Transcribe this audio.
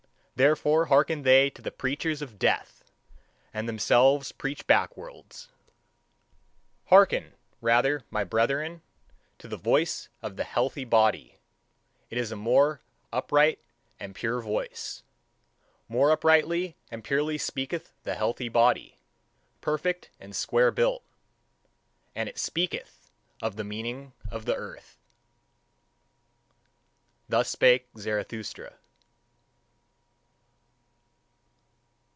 Therefore hearken they to the preachers of death, and themselves preach backworlds. Hearken rather, my brethren, to the voice of the healthy body; it is a more upright and pure voice. More uprightly and purely speaketh the healthy body, perfect and square built; and it speaketh of the meaning of the earth. Thus spake Zarathustra.